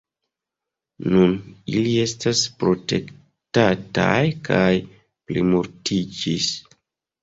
Nun ili estas protektataj kaj plimultiĝis.